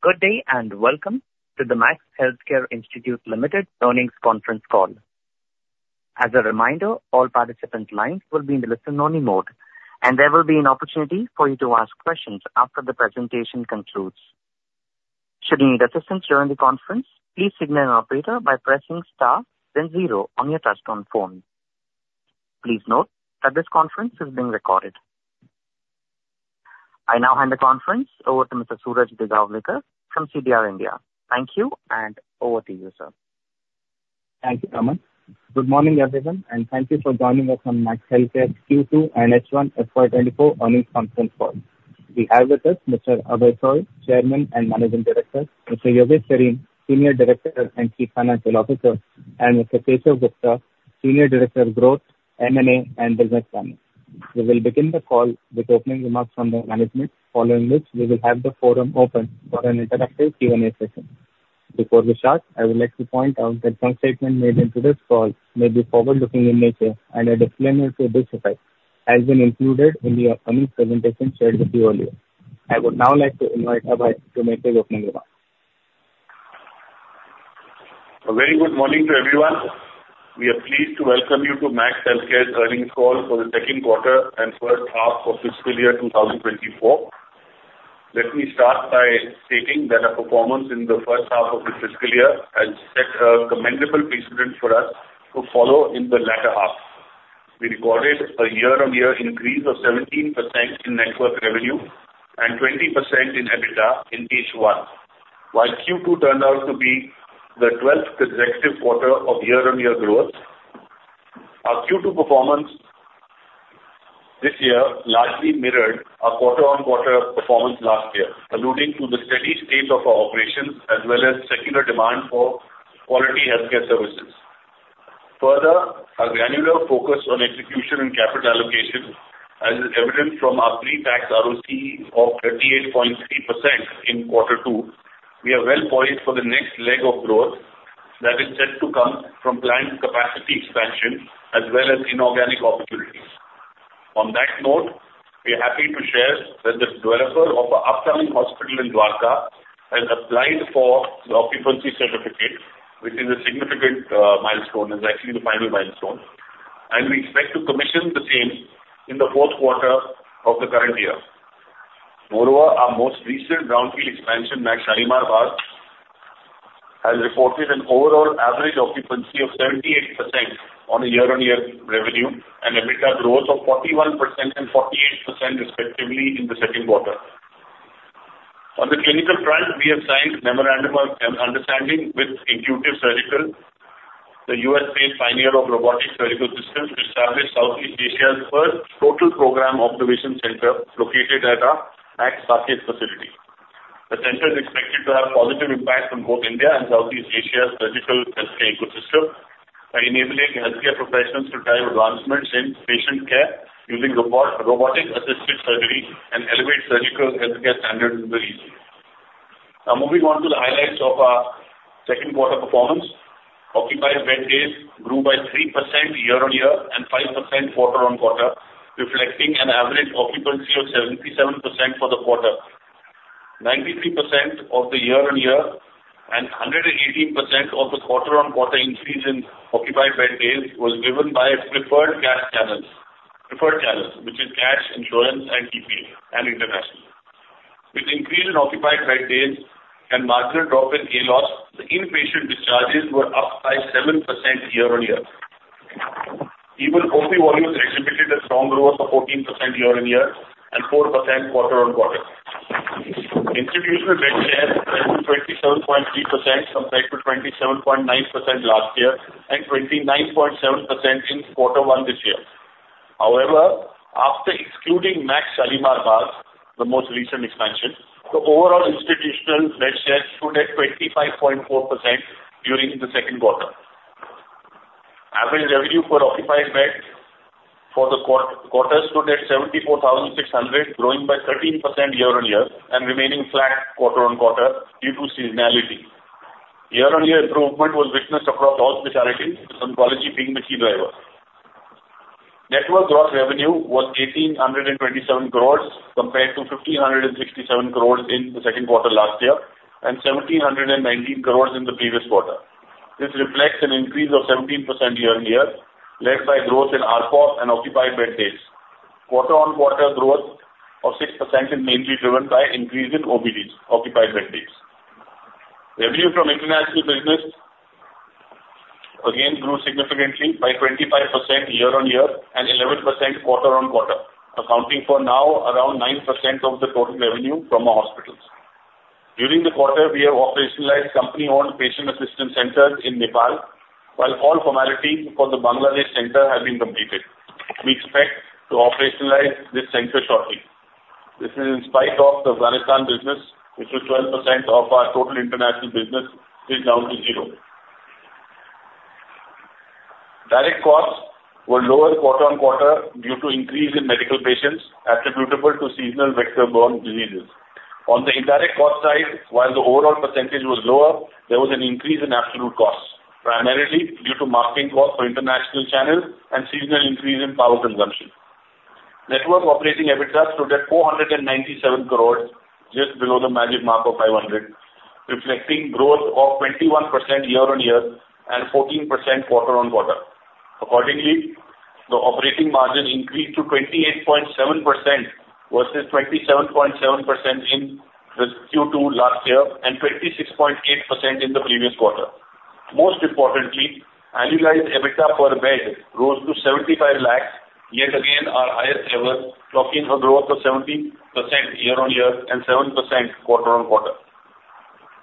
Good day, and welcome to the Max Healthcare Institute Limited Earnings Conference Call. As a reminder, all participants' lines will be in the listen-only mode, and there will be an opportunity for you to ask questions after the presentation concludes. Should you need assistance during the conference, please signal an operator by pressing star, then zero on your touchtone phone. Please note that this conference is being recorded. I now hand the conference over to Mr. Suraj Digawalekar from CDR India. Thank you, and over to you, sir. Thank you, Aman. Good morning, everyone, and thank you for joining us on Max Healthcare's Q2 and H1 FY 2024 earnings conference call. We have with us Mr. Abhay Soi, Chairman and Managing Director, Mr. Yogesh Sareen, Senior Director and Chief Financial Officer, and Mr. Keshav Gupta, Senior Director of Growth, M&A, and Business Planning. We will begin the call with opening remarks from the management, following which we will have the forum open for an interactive Q&A session. Before we start, I would like to point out that some statements made in this call may be forward-looking in nature, and a disclaimer to this effect has been included in the upcoming presentation shared with you earlier. I would now like to invite Abhay to make his opening remarks. A very good morning to everyone. We are pleased to welcome you to Max Healthcare's earnings call for the Q2 and first half of fiscal year 2024. Let me start by stating that our performance in the first half of this fiscal year has set a commendable precedent for us to follow in the latter half. We recorded a year-on-year increase of 17% in network revenue and 20% in EBITDA in H1, while Q2 turned out to be the 12th consecutive quarter of year-on-year growth. Our Q2 performance this year largely mirrored our quarter-on-quarter performance last year, alluding to the steady state of our operations as well as secular demand for quality healthcare services. Further, our granular focus on execution and capital allocation, as is evident from our pre-tax ROC of 38.3% in quarter two, we are well poised for the next leg of growth that is set to come from planned capacity expansion as well as inorganic opportunities. On that note, we're happy to share that the developer of our upcoming hospital in Dwarka has applied for the occupancy certificate, which is a significant milestone, and actually the final milestone, and we expect to commission the same in the Q4 of the current year. Moreover, our most recent brownfield expansion, Max Shalimar Bagh, has reported an overall average occupancy of 78% on a year-on-year revenue, and EBITDA growth of 41% and 48% respectively in the Q2. On the clinical front, we have signed Memorandum of Understanding with Intuitive Surgical, the U.S.-based pioneer of robotic surgical systems, to establish Southeast Asia's first Total Program Observation Center located at our Max Saket facility. The center is expected to have positive impact on both India and Southeast Asia's surgical healthcare ecosystem by enabling healthcare professionals to drive advancements in patient care using robotic-assisted surgery and elevate surgical healthcare standards in the region. Now moving on to the highlights of our Q2 performance. Occupied bed days grew by 3% year-on-year and 5% quarter-on-quarter, reflecting an average occupancy of 77% for the quarter. 93% of the year-on-year and 118% of the quarter-on-quarter increase in occupied bed days was driven by preferred cash channels, preferred channels, which is cash, insurance, and TP and international. With increase in occupied bed days and marginal drop in ALOS, the inpatient discharges were up by 7% year-on-year. Even OP volumes exhibited a strong growth of 14% year-on-year and 4% quarter-on-quarter. Institutional bed share rose to 27.3%, compared to 27.9% last year and 29.7% in quarter one this year. However, after excluding Max Shalimar Bagh, the most recent expansion, the overall institutional bed share stood at 25.4% during the Q2. Average revenue per occupied bed for the quarter stood at 74,600, growing by 13% year-on-year and remaining flat quarter-on-quarter due to seasonality. Year-on-year improvement was witnessed across all specialties, oncology being the key driver. Network gross revenue was 1,827 crores, compared to 1,567 crores in the Q2 last year, and 1,719 crores in the previous quarter. This reflects an increase of 17% year-on-year, led by growth in ARPOB and occupied bed days. Quarter-on-quarter growth of 6% is mainly driven by increase in OBDs, occupied bed days. Revenue from international business again grew significantly by 25% year-on-year and 11% quarter-on-quarter, accounting for now around 9% of the total revenue from our hospitals. During the quarter, we have operationalized company-owned patient assistance centers in Nepal, while all formalities for the Bangladesh center have been completed. We expect to operationalize this center shortly. This is in spite of the Afghanistan business, which was 12% of our total international business, is now to zero. Direct costs were lower quarter-on-quarter due to increase in medical patients attributable to seasonal vector-borne diseases. On the indirect cost side, while the overall percentage was lower, there was an increase in absolute costs, primarily due to marketing costs for international channels and seasonal increase in power consumption. Network operating EBITDA stood at 497 crore, just below the magic mark of 500, reflecting growth of 21% year-on-year and 14% quarter-on-quarter. Accordingly, the operating margin increased to 28.7% versus 27.7% in Q2 last year and 26.8% in the previous quarter. Most importantly, annualized EBITDA per bed rose to 75 lakh, yet again, our highest ever, locking a growth of 70% year-on-year and 7% quarter-on-quarter.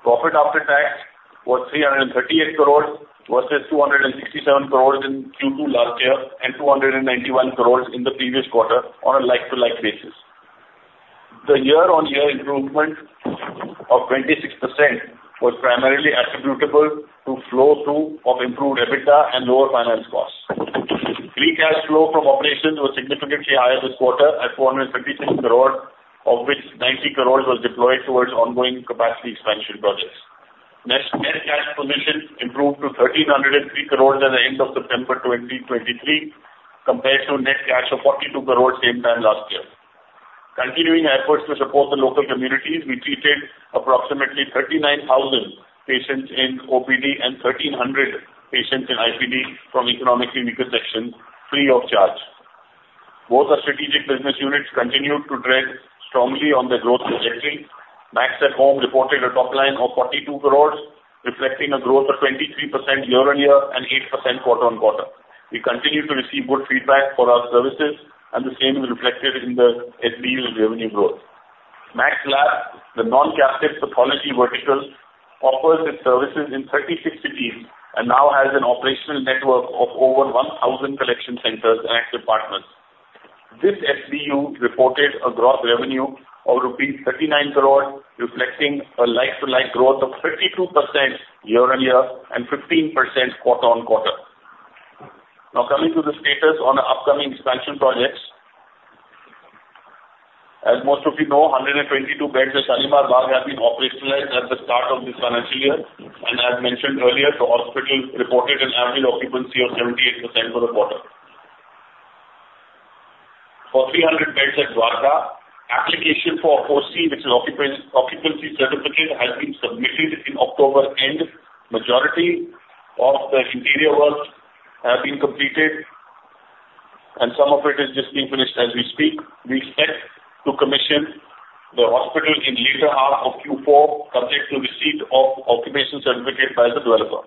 Profit after tax was 338 crore versus 267 crore in Q2 last year, and 291 crore in the previous quarter on a like-to-like basis. The year-on-year improvement of 26% was primarily attributable to flow-through of improved EBITDA and lower finance costs. Free cash flow from operations was significantly higher this quarter at 456 crore, of which 90 crore was deployed towards ongoing capacity expansion projects. Net, net cash position improved to 1,303 crore at the end of September 2023, compared to net cash of 42 crore same time last year. Continuing efforts to support the local communities, we treated approximately 39,000 patients in OPD and 1,300 patients in IPD from economically weaker sections free of charge. Both our strategic business units continued to tread strongly on their growth trajectory. Max@Home reported a top line of 42 crores, reflecting a growth of 23% year-on-year and 8% quarter-on-quarter. We continue to receive good feedback for our services, and the same is reflected in the SBU's revenue growth. Max Lab, the non-captive pathology vertical, offers its services in 36 cities and now has an operational network of over 1,000 collection centers and active partners. This SBU reported a gross revenue of rupees 39 crores, reflecting a like-to-like growth of 52% year-on-year and 15% quarter-on-quarter. Now, coming to the status on our upcoming expansion projects. As most of you know, 122 beds at Shalimar Bagh have been operationalized at the start of this financial year. As mentioned earlier, the hospital reported an average occupancy of 78% for the quarter. For 300 beds at Dwarka, application for OC, which is occupancy certificate, has been submitted in October end. Majority of the interior works have been completed, and some of it is just being finished as we speak. We expect to commission the hospital in later half of Q4, subject to receipt of occupation certificate by the developer.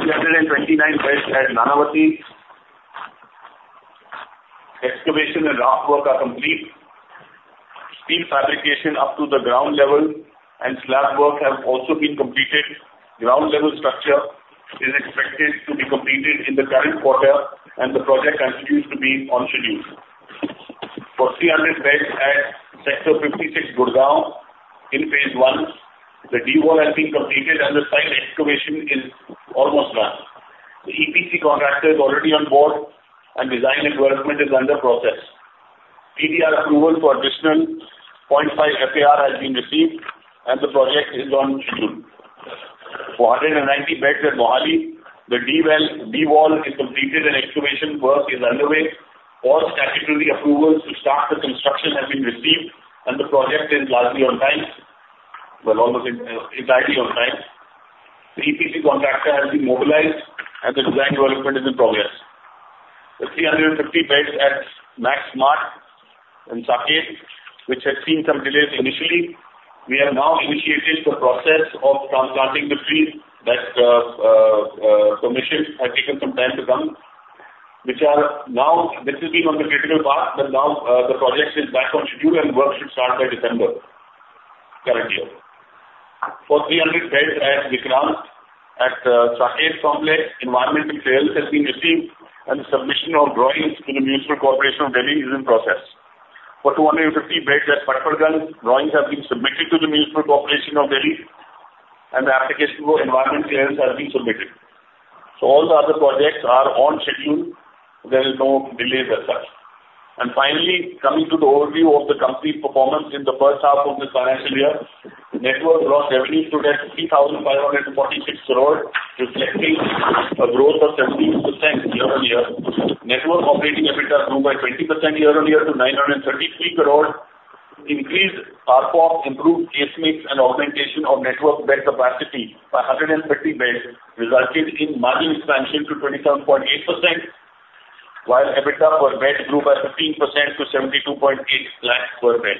For 329 beds at Nanavati, excavation and raft work are complete. Steel fabrication up to the ground level and slab work have also been completed. Ground level structure is expected to be completed in the current quarter, and the project continues to be on schedule. For 300 beds at Sector 56, Gurugram, in phase one, the diaphragm wall has been completed and the site excavation is almost done. The EPC contractor is already on board, and design and development is under process. PDR approval for additional 0.5 FAR has been received, and the project is on schedule. For 190 beds at Mohali, the diaphragm wall is completed and excavation work is underway. All statutory approvals to start the construction have been received, and the project is largely on time, well, almost entirely on time. The EPC contractor has been mobilized, and the design development is in progress. The 350 beds at Max Smart in Saket, which had seen some delays initially, we have now initiated the process of transplanting the trees that permissions have taken some time to come, which are now. This has been on the critical path, but now, the project is back on schedule, and work should start by December, currently. For 300 beds at Vikrant, at Saket complex, environmental clearance has been received, and the submission of drawings to the Municipal Corporation of Delhi is in process. For 250 beds at Patparganj, drawings have been submitted to the Municipal Corporation of Delhi, and the application for environmental clearance has been submitted. All the other projects are on schedule. There is no delays as such. Finally, coming to the overview of the company performance in the first half of this financial year, network gross revenue stood at 3,546 crores, reflecting a growth of 17% year-on-year. Network operating EBITDA grew by 20% year-on-year to 933 crores. Increased ARPOBs, improved case mix and augmentation of network bed capacity by 150 beds resulted in margin expansion to 27.8%, while EBITDA per bed grew by 15% to 72.8 lakhs per bed.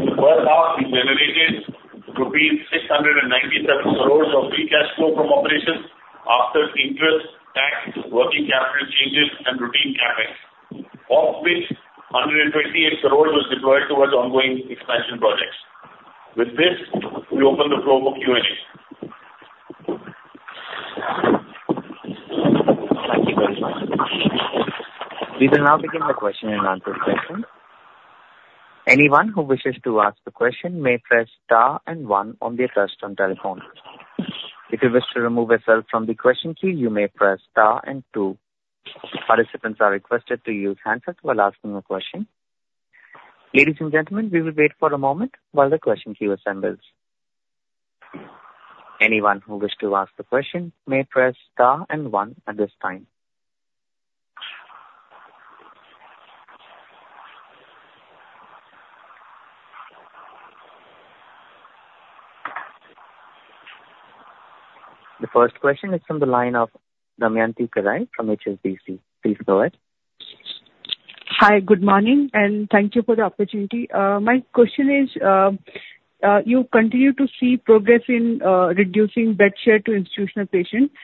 In the first half, we generated 697 crores of free cash flow from operations after interest, tax, working capital changes, and routine CapEx, of which 128 crores was deployed towards ongoing expansion projects. With this, we open the floor for Q&A. Thank you very much. We will now begin the question and answer session. Anyone who wishes to ask a question may press star and one on their touch-tone telephone. If you wish to remove yourself from the question queue, you may press star and two.... Participants are requested to use handsets while asking a question. Ladies and gentlemen, we will wait for a moment while the question queue assembles. Anyone who wish to ask the question, may press star and one at this time. The first question is from the line of Damayanti Kerai from HSBC. Please go ahead. Hi, good morning, and thank you for the opportunity. My question is, you continue to see progress in reducing bed share to institutional patients.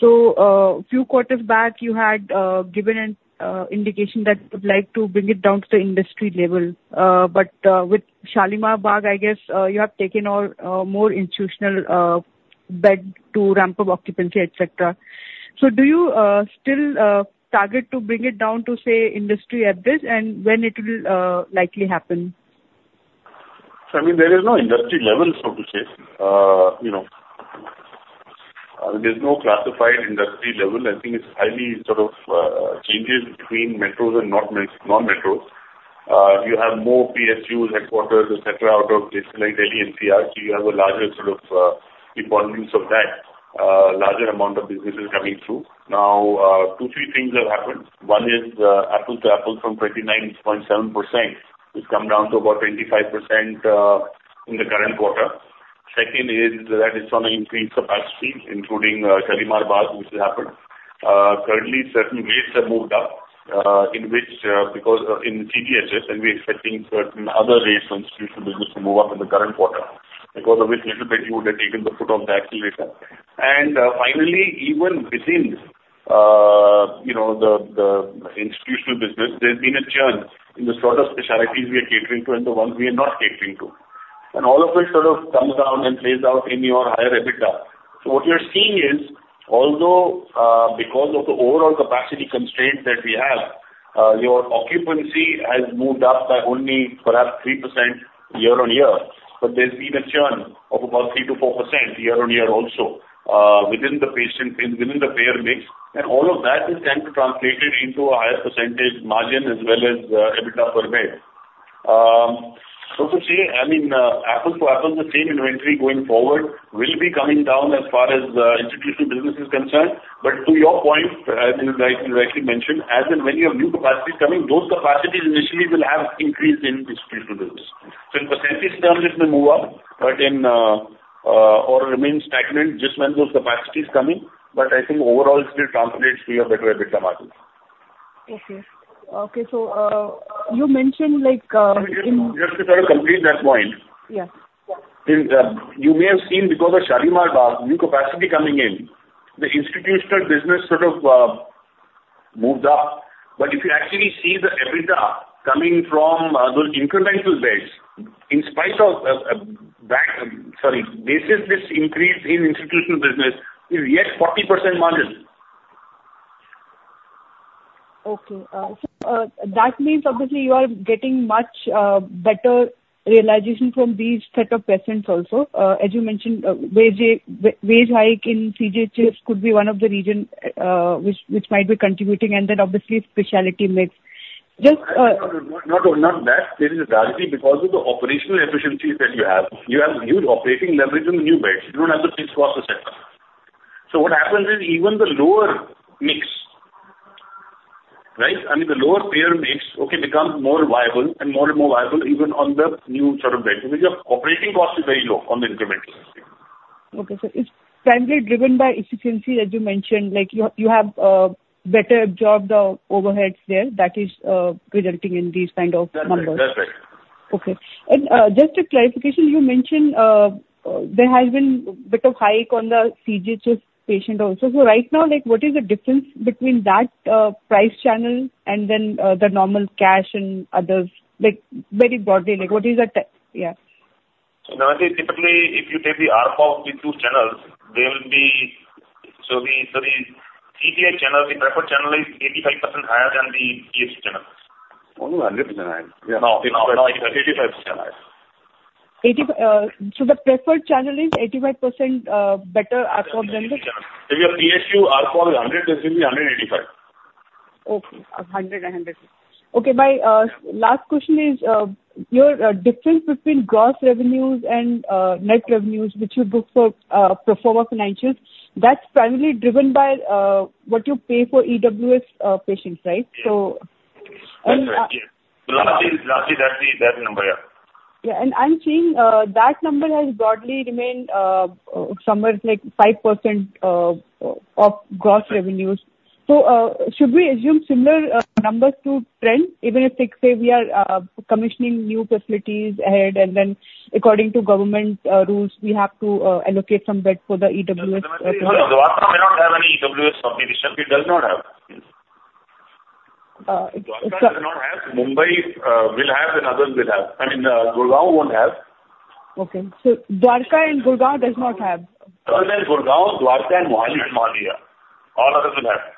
So, few quarters back, you had given an indication that you would like to bring it down to the industry level. But with Shalimar Bagh, I guess, you have taken on more institutional bed to ramp up occupancy, et cetera. So do you still target to bring it down to, say, industry average, and when it will likely happen? So I mean, there is no industry level, so to say. You know, there's no classified industry level. I think it's highly sort of changes between metros and not met- non-metros. You have more PSUs, headquarters, et cetera, out of places like Delhi, NCR. So you have a larger sort of volumes of that, larger amount of businesses coming through. Now, two, three things have happened. One is, apple to apple from 29.7%, it's come down to about 25%, in the current quarter. Second is that it's on an increased capacity, including Shalimar Bagh, which has happened. Currently, certain rates have moved up in CGHS, and we're expecting certain other rates from institutional business to move up in the current quarter, because of which little bit we would have taken the foot off the accelerator. And finally, even within you know the institutional business, there's been a churn in the sort of specialties we are catering to and the ones we are not catering to. And all of which sort of comes down and plays out in your higher EBITDA. So what you're seeing is, although, because of the overall capacity constraints that we have, your occupancy has moved up by only perhaps 3% year-on-year, but there's been a churn of about 3%-4% year-on-year also, within the patient, within the payer mix, and all of that is then translated into a higher percentage margin as well as, EBITDA per bed. So to say, I mean, apple to apple, the same inventory going forward will be coming down as far as, institutional business is concerned. But to your point, as you rightly mentioned, as and when you have new capacities coming, those capacities initially will have increase in institutional business. So in percentage terms, it may move up, but in or remain stagnant just when those capacity is coming, but I think overall still translates to your better EBITDA margin. Okay. Okay, so, you mentioned, like, in- Just to sort of complete that point. Yeah. In, you may have seen because of Shalimar Bagh, new capacity coming in, the institutional business sort of moved up. But if you actually see the EBITDA coming from those incremental beds, in spite of that-Sorry, this is this increase in institutional business is yet 40% margin. Okay. So, that means obviously you are getting much better realization from these set of patients also. As you mentioned, wage hike in CGHS could be one of the reason, which might be contributing, and then obviously, specialty mix. Just- Not, not that. There is a largely because of the operational efficiencies that you have. You have new operating leverage on the new beds. You don't have the fixed costs, et cetera. So what happens is, even the lower mix, right? I mean, the lower payer mix, okay, becomes more viable and more and more viable even on the new set of beds, because your operating cost is very low on the incremental. Okay, sir. It's primarily driven by efficiency, as you mentioned, like, you, you have better absorbed the overheads there, that is, resulting in these kind of numbers. That's it. Okay. And, just a clarification, you mentioned there has been a bit of hike on the CGHS patient also. So right now, like, what is the difference between that price channel and then the normal cash and others? Like, very broadly, like, what is the... Yeah. So Damayanti, typically, if you take the RPO of the two channels, they will be... So the, so the CGHS channel, the preferred channel, is 85% higher than the PH channel. Almost 100% higher. No, no, no, 85% higher. 80%, so the preferred channel is 85% better RPO than the- If your PSU RPO is 100, this will be 185. Okay. 100, 100. Okay, my last question is your difference between gross revenues and net revenues, which you book for pro forma financials, that's primarily driven by what you pay for EWS patients, right? Yeah. So- That's right, yeah. Lastly, lastly, that's the, that number, yeah. Yeah, and I'm seeing that number has broadly remained somewhere like 5% of gross revenues. So, should we assume similar numbers to trend, even if, let's say, we are commissioning new facilities ahead, and then according to government rules, we have to allocate some bed for the EWS? Dwarka may not have any EWS population. It does not have. Uh, it- Dwarka does not have. Mumbai will have, and others will have. I mean, Gurgaon won't have. Okay. So Dwarka and Gurgaon does not have? Other than Gurgaon, Dwarka, and Mohali, all others will have.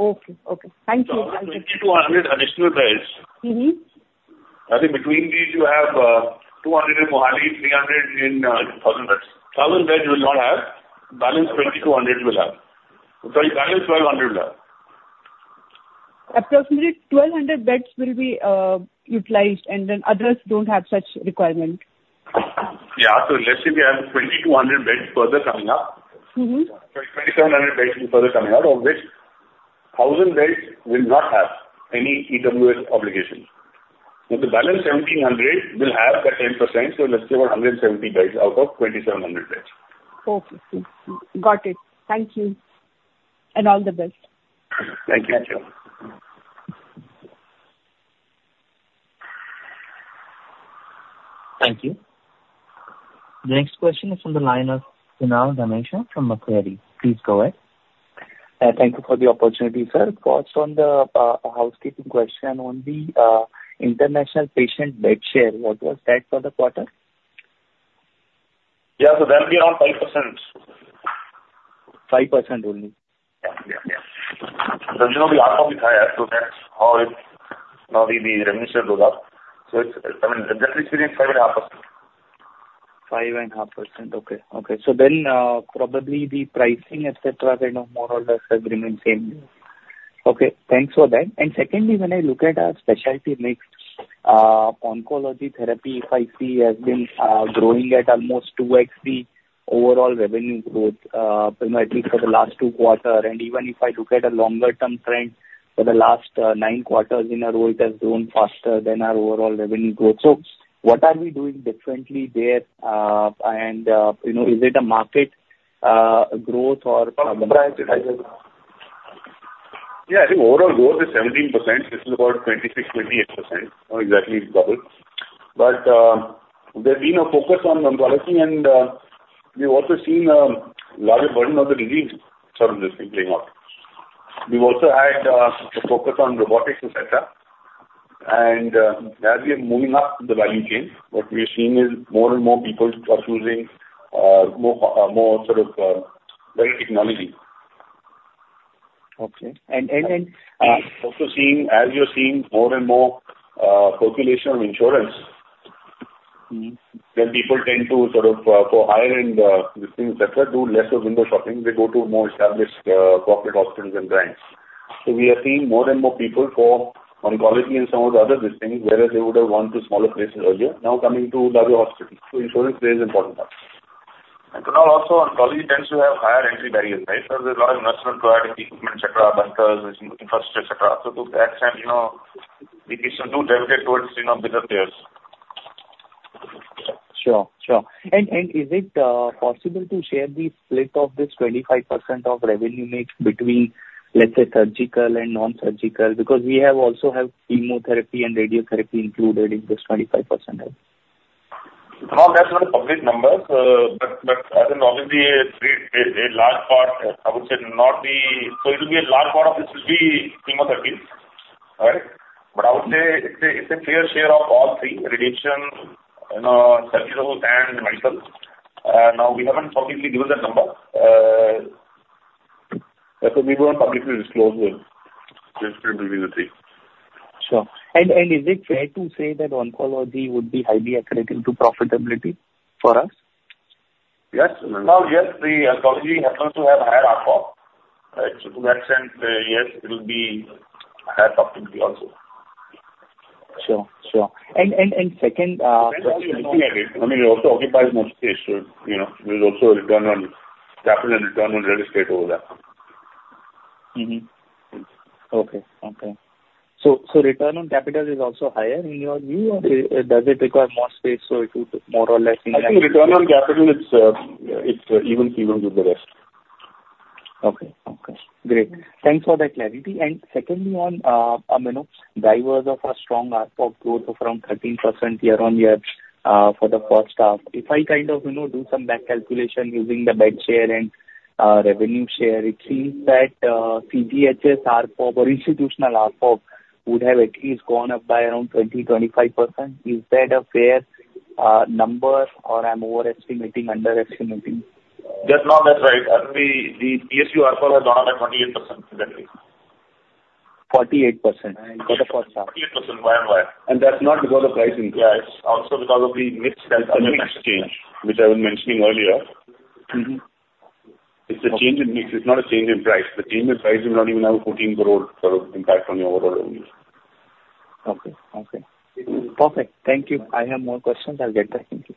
Okay. Okay. Thank you. Up to 200 additional beds. Mm-hmm.... I think between these you have, 200 in Mohali, 300 in, Thousand beds. 1,000 beds will not have, balance 2,200 will have. Sorry, balance 1,200 will have. Approximately 1,200 beds will be utilized, and then others don't have such requirement. Yeah. Let's say we have 2,200 beds further coming up. Mm-hmm. 2,700 beds further coming up, of which 1,000 beds will not have any EWS obligation. So the balance 1,700 will have the 10%, so let's say 170 beds out of 2,700 beds. Okay. Got it. Thank you, and all the best. Thank you. The next question is from the line of Kunal Dhamesha from Macquarie. Please go ahead. Thank you for the opportunity, sir. Just on the housekeeping question, on the international patient bed share, what was that for the quarter? Yeah. That'll be around 5%. 5% only? Yeah, So there'll be ARPOB guy, so that's how it. Now the, the revenue share build up. So it's, I mean, that experience 5.5%. 5.5%. Okay. Okay. So then, probably the pricing, et cetera, kind of more or less will remain same. Mmh Okay, thanks for that. And secondly, when I look at our specialty mix, oncology therapy, if I see, has been growing at almost 2x the overall revenue growth, primarily for the last Q2. And even if I look at a longer term trend, for the last Q9 in a row, it has grown faster than our overall revenue growth. So what are we doing differently there, and you know, is it a market growth or price as a- Yeah, I think overall growth is 17%. This is about 26-28%. Not exactly double. But, there's been a focus on oncology, and, we've also seen, larger burden of the disease sort of just playing out. We've also had, a focus on robotics, et cetera. And, as we are moving up the value chain, what we are seeing is more and more people are choosing, more, more sort of, better technology. Okay. And, Also seeing, as you're seeing more and more, population on insurance- Mm-hmm. Then people tend to sort of go higher and these things et cetera, do less of window shopping. They go to more established corporate hospitals and brands. So we are seeing more and more people for oncology and some of the other diseases, whereas they would have gone to smaller places earlier. Now coming to larger hospitals, so insurance plays an important part. Kunal also, oncology tends to have higher entry barriers, right? So there's a lot of investment to add equipment, et cetera, bunkers, infrastructure, et cetera. So to that extent, you know, the patients do gravitate towards, you know, bigger players. Sure, sure. Is it possible to share the split of this 25% of revenue mix between, let's say, surgical and non-surgical? Because we have also have chemotherapy and radiotherapy included in this 25%. Kunal, that's not a public number. But I think obviously a large part, I would say. So it will be a large part of this will be chemotherapy. All right? But I would say it's a fair share of all three: radiation, you know, surgical and medical. Now, we haven't publicly given that number, so we won't publicly disclose the distribution between the three. Sure. And is it fair to say that oncology would be highly accretive to profitability for us? Yes. Now, yes, the oncology happens to have higher ARPOB, right? So to that extent, yes, it will be higher profitability also. Sure, sure. Second, Looking at it, I mean, it also occupies more space. So, you know, there's also a return on capital and return on real estate over that one. Mm-hmm. Okay. Okay. So, so return on capital is also higher in your view, or, does it require more space, so it would more or less- I think return on capital, it's, it's even, even with the rest. Okay Okay, great. Thanks for that clarity. And secondly, on, you know, drivers of a strong ARPOB growth from 13% year-on-year, for the first half. If I kind of, you know, do some back calculation using the bed share and, revenue share, it seems that, CGHS, ARPOB or institutional ARPOB would have at least gone up by around 20-25%. Is that a fair, number, or I'm overestimating, underestimating? That's not, that's right. I mean, the PSU ARPOB has gone up by 48%. 48% for the first half. 48% year-on-year. That's not because of pricing? Yeah, it's also because of the mix and the mix change, which I was mentioning earlier. Mm-hmm. It's a change in mix, it's not a change in price. The change in price would not even have an INR 14 crore impact on the overall revenue. Okay. Okay. Perfect. Thank you. I have more questions. I'll get back. Thank you.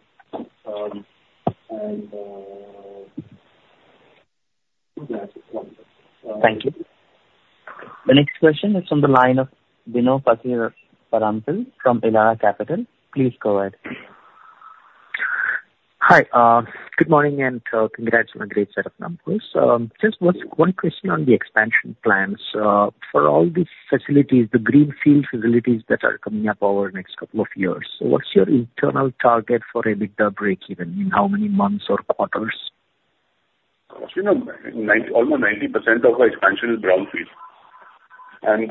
Thank you. The next question is from the line of Bino Pathiparampil from Elara Capital. Please go ahead. Hi, good morning, and, congrats on a great set of numbers. Just one question on the expansion plans. For all these facilities, the greenfield facilities that are coming up over the next couple of years, what's your internal target for EBITDA break even, in how many months or quarters? You know, almost 90% of our expansion is brownfield. And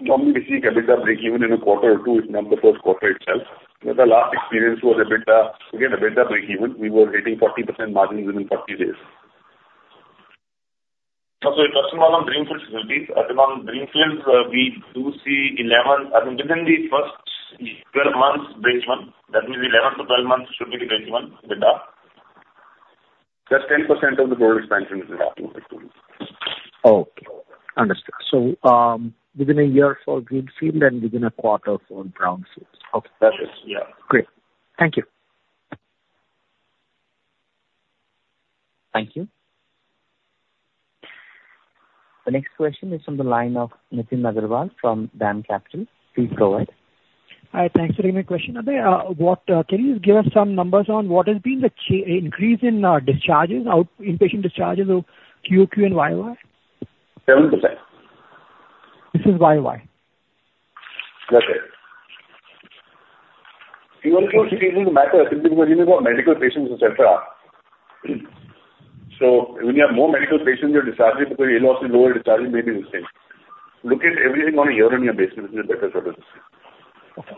normally we see EBITDA break even in a quarter or two, if not the Q1 itself. But the last experience was EBITDA, again, EBITDA break even, we were hitting 40% margins within 40 days... So it doesn't work on greenfield facilities. On greenfields, we do see 11-- I mean, within the first 12 months, breakeven. That means 11-12 months should be the breakeven with that. Just 10% of the total expansion is happening with green. Okay, understood. So, within a year for greenfield and within a quarter for brownfields. Okay. That is, yeah. Great. Thank you. Thank you. The next question is from the line of Nitin Agarwal from DAM Capital. Please go ahead. Hi, thanks for taking my question. Abhay, what can you give us some numbers on what has been the increase in discharges, inpatient discharges of QOQ and YY? Seven percent. This is YY. That's it. QOQ shouldn't matter, I think, because you know, medical patients, et cetera. So when you have more medical patients, you're discharging because ALOS is lower, discharging may be the same. Look at everything on a year-on-year basis is a better sort of way. Okay.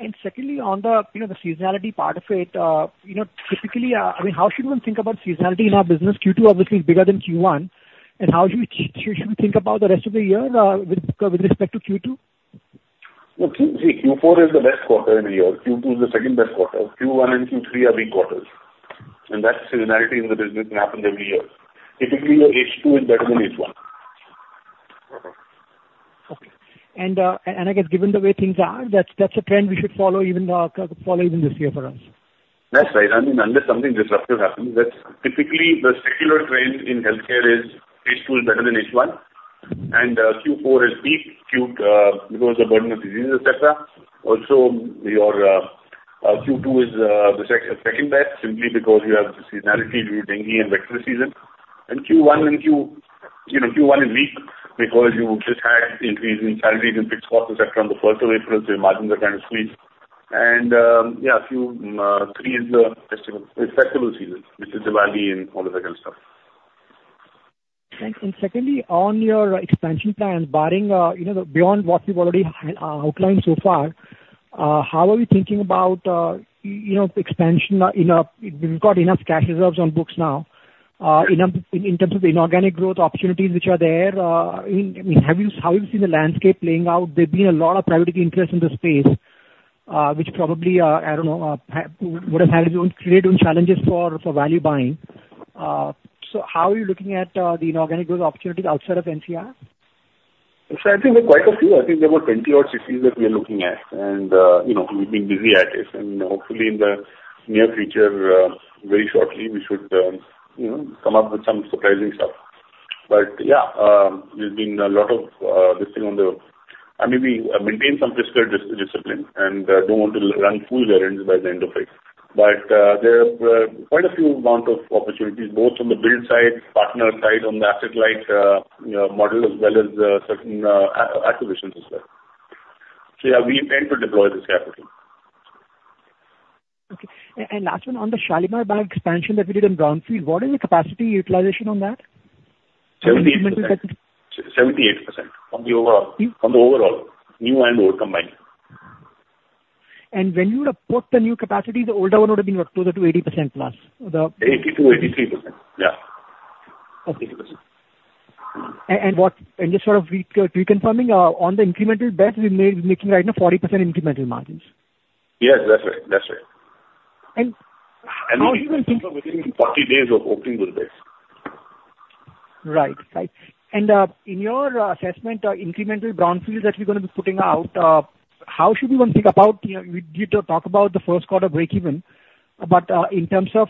And secondly, on the, you know, the seasonality part of it, you know, typically, I mean, how should one think about seasonality in our business? Q2 obviously is bigger than Q1, and how should we think about the rest of the year, with respect to Q2? Well, Q4 is the best quarter in a year. Q2 is the second best quarter. Q1 and Q3 are weak quarters, and that seasonality in the business can happen every year. Typically, your H2 is better than H1. Okay. And I guess given the way things are, that's a trend we should follow even this year for us. That's right. I mean, unless something disruptive happens, that's typically the secular trend in healthcare is H2 is better than H1, and Q4 is peak. Q because the burden of disease, et cetera. Also, your Q2 is the second best simply because you have the seasonality due to dengue and vector season. And Q1 and Q-- You know, Q1 is weak because you just had the increase in salaries and fixed costs, et cetera, on the first of April, so your margins are kind of squeezed. And yeah, Q three is the festival season, which is Diwali and all of that kind of stuff. Thanks. Secondly, on your expansion plans, barring you know the beyond what you've already outlined so far, how are you thinking about you know expansion? You know, we've got enough cash reserves on books now. Enough in terms of the inorganic growth opportunities which are there, I mean, have you how have you seen the landscape playing out? There've been a lot of private equity interest in the space, which probably I don't know would have had its own create own challenges for value buying. So how are you looking at the inorganic growth opportunities outside of NCR? So I think there are quite a few. I think there are about 20-odd cities that we are looking at, and, you know, we've been busy at it. Hopefully in the near future, very shortly, we should, you know, come up with some surprising stuff. But yeah, there's been a lot of, listing on the... I mean, we maintain some fiscal discipline and, don't want to run full errands by the end of it. But, there are, quite a few amount of opportunities, both from the build side, partner side, on the asset light, you know, model, as well as, certain, acquisitions as well. So yeah, we intend to deploy this capital. Okay. And last one, on the Shalimar Bagh expansion that we did in brownfield, what is the capacity utilization on that? 78%. 78% on the overall. Hmm? On the overall, new and old combined. When you would have put the new capacity, the older one would have been closer to 80% plus, or the- 82%-83%. Yeah. Okay. Eighty-three percent. And just sort of reconfirming, on the incremental beds, we're making right now 40% incremental margins? Yes, that's right. That's right. How do you think- Within 40 days of opening those beds. Right. Right. And, in your assessment, incremental brownfields that you're gonna be putting out, how should we even think about, you know, we did talk about the first quarter breakeven, but, in terms of,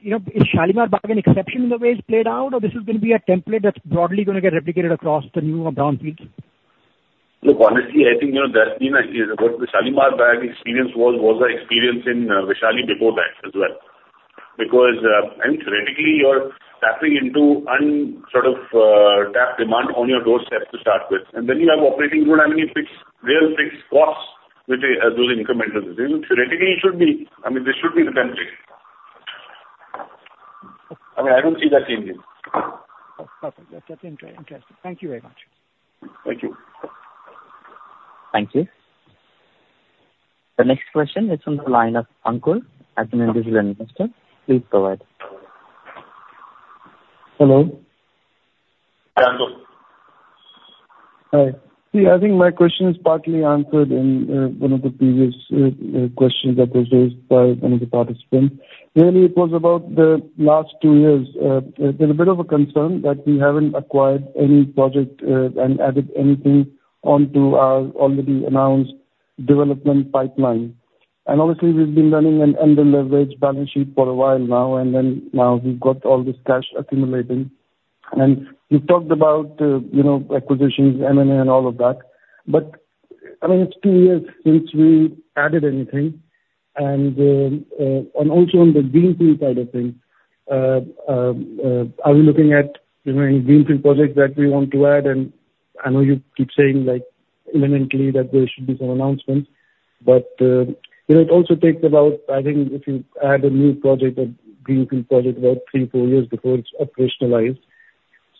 you know, is Shalimar Bagh an exception in the way it's played out, or this is gonna be a template that's broadly gonna get replicated across the new brownfields? Look, honestly, I think, you know, there's been a, what the Shalimar Bagh experience was, was the experience in Vaishali before that as well. Because, I mean, theoretically, you're tapping into untapped sort of demand on your doorstep to start with, and then you have operating room, I mean, fixed, real fixed costs with the those incremental. Theoretically, it should be... I mean, this should be the template. I mean, I don't see that changing. Okay. That's interesting. Thank you very much. Thank you. Thank you. The next question is from the line of Ankur, an individual investor. Please go ahead. Hello? Hi, Ankur. Hi. See, I think my question is partly answered in one of the previous questions that was raised by one of the participants. Really, it was about the last two years. There's a bit of a concern that we haven't acquired any project and added anything onto our already announced development pipeline. And obviously, we've been running an underleveraged balance sheet for a while now, and then now we've got all this cash accumulating. And you've talked about, you know, acquisitions, M&A, and all of that. But, I mean, it's two years since we added anything. And also on the greenfield side of things, are we looking at, you know, any greenfield projects that we want to add? I know you keep saying, like, imminently that there should be some announcements, but, you know, it also takes about, I think, if you add a new project, a greenfield project, about 3-4 years before it's operationalized.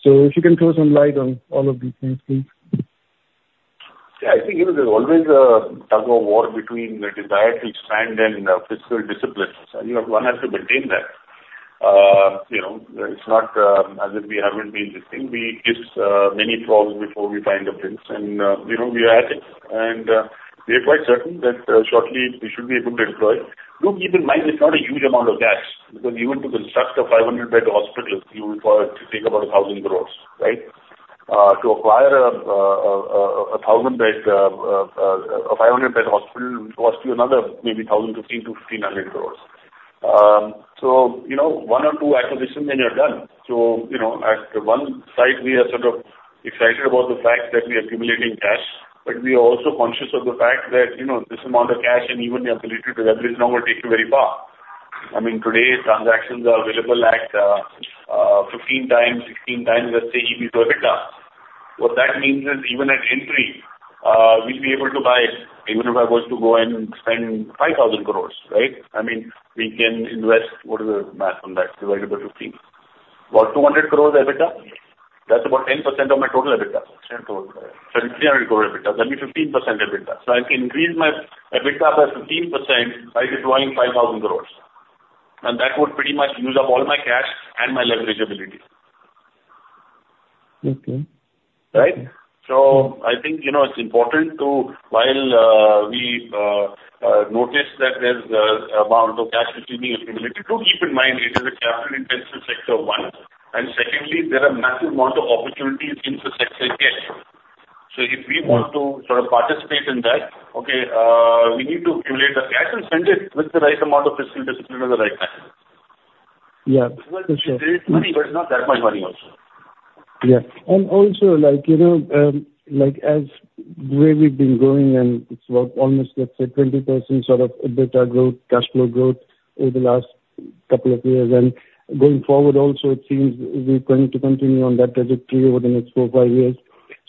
So if you can throw some light on all of these things, please.... I think, you know, there's always a tug-of-war between the desire to expand and, fiscal disciplines, and, you know, one has to maintain that. You know, it's not, as if we haven't been listening. We kiss, many frogs before we find the prince, and, you know, we are at it, and, we are quite certain that, shortly we should be able to deploy. Do keep in mind, it's not a huge amount of cash, because even to construct a 500-bed hospital, you would for it to take about 1,000 crore, right? To acquire a, a 1,000-bed, a 500-bed hospital will cost you another maybe 1,015-1,500 crore. So, you know, 1 or 2 acquisitions, then you're done. So, you know, at one side, we are sort of excited about the fact that we are accumulating cash, but we are also conscious of the fact that, you know, this amount of cash and even the ability to leverage is not going to take you very far. I mean, today, transactions are available at 15 times, 16 times, let's say, EBITDA. What that means is, even at entry, we'll be able to buy, even if I was to go and spend 5,000 crore, right? I mean, we can invest, what is the math on that? Divided by 15. About 200 crore EBITDA. That's about 10% of my total EBITDA. 10 total, so 300 crore EBITDA, that means 15% EBITDA. So I can increase my EBITDA by 15% by deploying 5,000 crore, and that would pretty much use up all my cash and my leverage ability. Okay. Right? So I think, you know, it's important to, while, we notice that there's amount of cash which is being accumulated, do keep in mind it is a capital-intensive sector, one, and secondly, there are massive amount of opportunities in the sector again. So if we want to sort of participate in that, okay, we need to accumulate the cash and spend it with the right amount of fiscal discipline at the right time. Yeah, for sure. There is money, but it's not that much money also. Yeah. And also, like, you know, like, as where we've been growing and it's about almost, let's say, 20% sort of EBITDA growth, cash flow growth over the last couple of years, and going forward also, it seems we're going to continue on that trajectory over the next 4-5 years.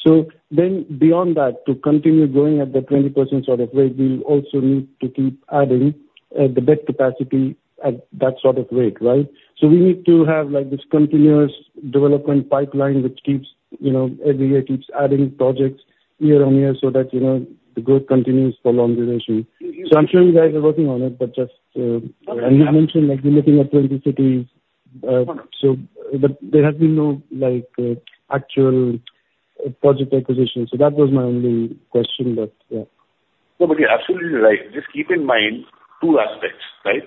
So then beyond that, to continue growing at the 20% sort of rate, we also need to keep adding, the bed capacity at that sort of rate, right? So we need to have, like, this continuous development pipeline, which keeps, you know, every year keeps adding projects year on year, so that, you know, the growth continues for long duration. So I'm sure you guys are working on it, but just, and you mentioned like you're looking at 20 cities. so, but there has been no, like, actual project acquisition. That was my only question, but, yeah. No, but you're absolutely right. Just keep in mind two aspects, right?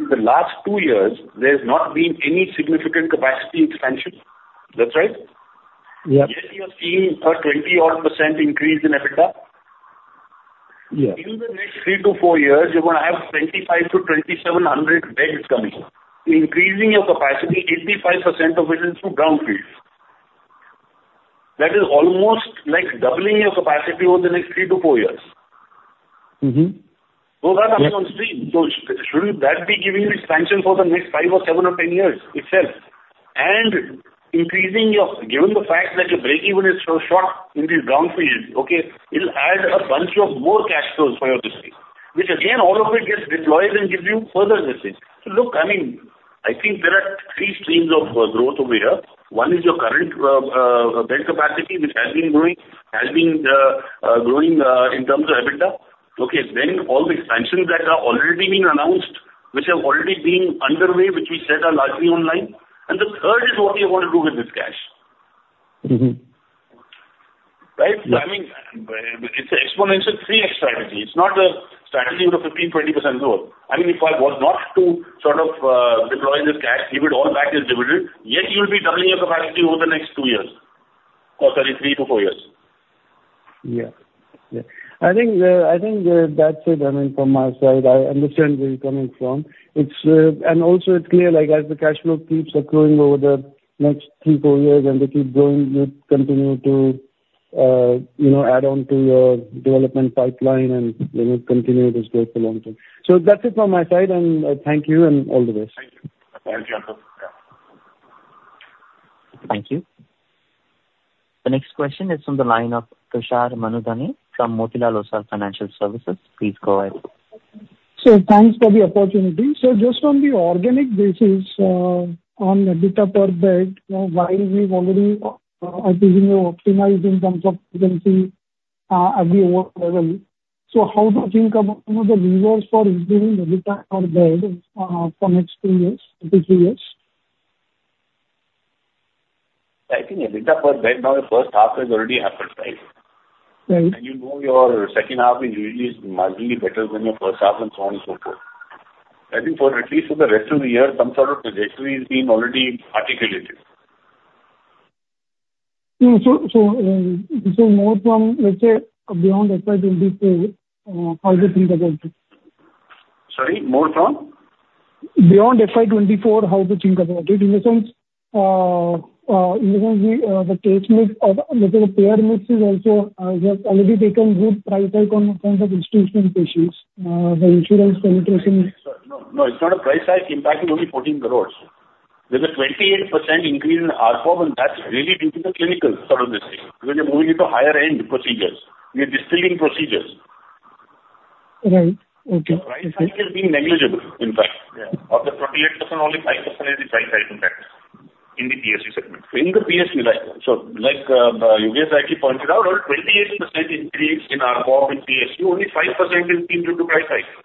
In the last two years, there's not been any significant capacity expansion. That's right? Yeah. Yet you're seeing a 20-odd% increase in EBITDA. Yeah. In the next three to four years, you're gonna have 2,500-2,700 beds coming, increasing your capacity, 85% of it is through brownfield. That is almost like doubling your capacity over the next three to four years. Mm-hmm. Those are coming on stream. So shouldn't that be giving you expansion for the next 5 or 7 or 10 years itself? And increasing your... Given the fact that your breakeven is so short in these brownfields, okay, it'll add a bunch of more cash flows for your business, which again, all of it gets deployed and gives you further business. So look, I mean, I think there are three streams of growth over here. One is your current bed capacity, which has been growing in terms of EBITDA. Okay, then all the expansions that are already being announced, which have already been underway, which we said are largely online. And the third is what we are going to do with this cash. Mm-hmm. Right? Yeah. I mean, it's an exponential 3x strategy. It's not a strategy with a 15%-20% growth. I mean, if I was not to sort of deploy this cash, give it all back as dividend, yet you'll be doubling your capacity over the next 2 years, or sorry, 3-4 years. Yeah. Yeah. I think that's it. I mean, from my side, I understand where you're coming from. It's. And also it's clear, like, as the cash flow keeps accruing over the next 3-4 years and they keep growing, you'd continue to, you know, add on to your development pipeline, and we will continue this growth for long term. So that's it from my side, and thank you and all the best. Thank you. Thank you, yeah. Thank you. The next question is from the line of Tushar Manudhane from Motilal Oswal Financial Services. Please go ahead. So thanks for the opportunity. Just on the organic basis, on EBITDA per bed, while we've already, I think, you know, optimized in terms of agency, at the lower level, so how do you think about, you know, the levers for improving EBITDA per bed, for next 2-3 years? I think EBITDA per bed, now the first half has already happened, right? Right. You know your second half is usually marginally better than your first half and so on and so forth. I think for at least the rest of the year, some sort of trajectory has been already articulated. So, more from, let's say, beyond FY 2024, how to think about it? Sorry, more from? Beyond FY 2024, how to think about it? In the sense, in the sense we, the case mix of, let's say, the payer mix is also, we have already taken good price hike on terms of institutional patients, the insurance penetration. No, no, it's not a price hike, impact is only 14 crore. There's a 28% increase in ARPM, and that's really due to the clinical sort of missing, because you're moving into higher-end procedures. You're distilling procedures. Right. Okay. The price cycle is being negligible, in fact. Yeah. Of the 28%, only 5% is the price cycle impact in the PSU segment. In the PSU, right. So like, Yogesh actually pointed out, out of 28% increase in our ARPOB in PSU, only 5% is due to price cycle.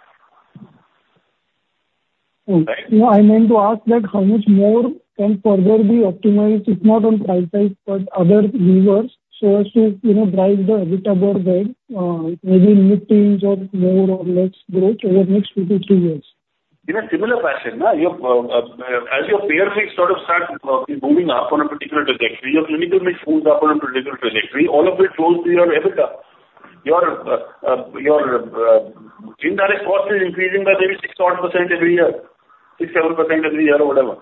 Okay. No, I meant to ask, like, how much more can further be optimized, if not on price cycle, but other levers so as to, you know, drive the EBITDA ahead, maybe mid-teens or more or less growth over the next 2-3 years? In a similar fashion, as your payer mix sort of start moving up on a particular trajectory, your clinical mix moves up on a particular trajectory, all of it flows through your EBITDA. Your indirect cost is increasing by maybe six odd % every year, six, seven % every year or whatever.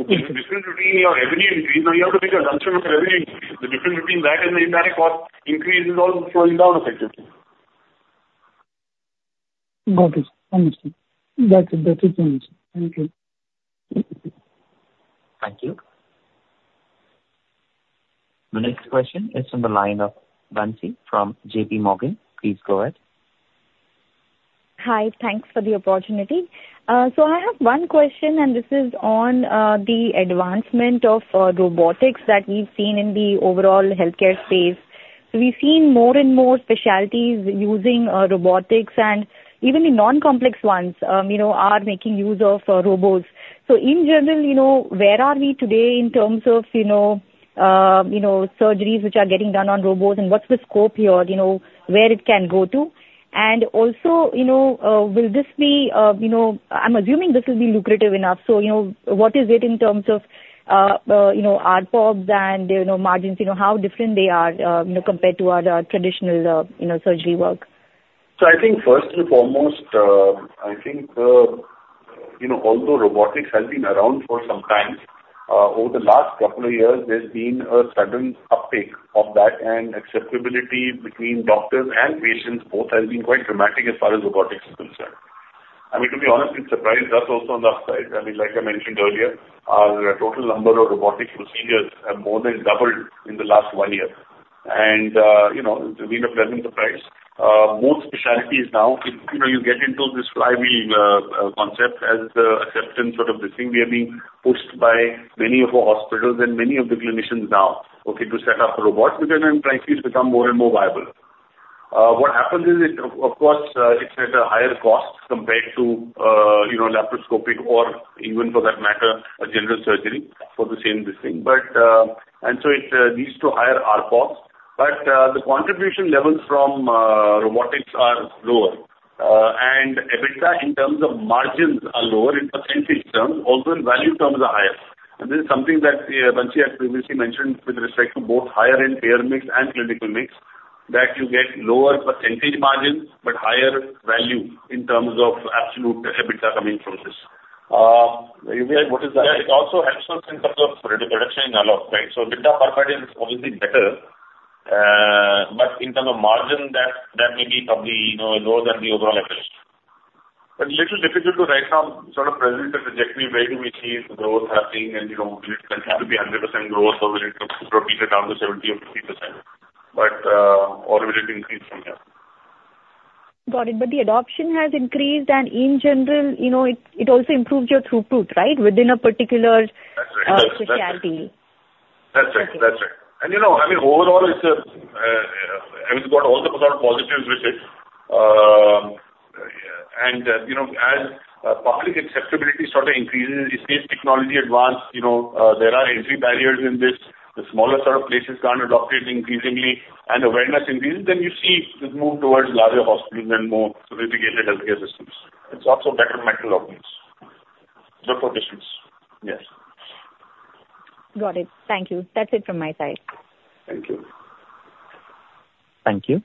Okay. Difference between your revenue increase, so you have to make an assumption for revenue increase. The difference between that and the indirect cost increase is also flowing down effectively. Got it. Understood. That's it. That is understood. Thank you. Thank you. The next question is from the line of Bansi from J.P. Morgan. Please go ahead. Hi, thanks for the opportunity. So I have one question, and this is on the advancement of robotics that we've seen in the overall healthcare space. We've seen more and more specialties using robotics, and even the non-complex ones, you know, are making use of robots. So in general, you know, where are we today in terms of, you know, surgeries which are getting done on robots, and what's the scope here, you know, where it can go to? And also, you know, will this be, you know... I'm assuming this will be lucrative enough, so, you know, what is it in terms of, you know, ARPOBs and, you know, margins, you know, how different they are, you know, compared to other traditional, you know, surgery work? So I think first and foremost, I think, you know, although robotics has been around for some time, over the last couple of years, there's been a sudden uptake of that, and acceptability between doctors and patients both has been quite dramatic as far as robotics is concerned. I mean, to be honest, it surprised us also on the upside. I mean, like I mentioned earlier, our total number of robotic procedures have more than doubled in the last one year. And, you know, we were pleasantly surprised. Most specialties now, you know, you get into this flywheel concept as the acceptance sort of this thing we are being pushed by many of our hospitals and many of the clinicians now, okay, to set up a robot, because then prices become more and more viable. What happens is it, of course, it's at a higher cost compared to, you know, laparoscopic or even for that matter, a general surgery for the same visiting. But, and so it leads to higher ARPOB. But, the contribution levels from robotics are lower, and EBITDA in terms of margins are lower in percentage terms, although in value terms are higher. And this is something that Bansi has previously mentioned with respect to both higher end payor mix and clinical mix, that you get lower percentage margins, but higher value in terms of absolute EBITDA coming from this. What is that? It also helps us in terms of productivity a lot, right? So EBITDA per bed is obviously better, but in terms of margin, that may be probably, you know, lower than the overall EBITDA. It's a little difficult right now to sort of present a trajectory where do we see growth happening and, you know, will it continue to be 100% growth, or will it drop it down to 70% or 50%, but or will it increase from here? Got it. But the adoption has increased, and in general, you know, it also improves your throughput, right? Within a particular- That's right. Specialty. That's right. That's right. And, you know, I mean, overall, it's a, I mean, it's got all the sort of positives with it. And, you know, as public acceptability sort of increases, you see technology advance, you know, there are entry barriers in this. The smaller sort of places can't adopt it increasingly, and awareness increases, then you see it move towards larger hospitals and more sophisticated healthcare systems. It's also better macro outcomes for patients. Yes. Got it. Thank you. That's it from my side. Thank you. Thank you.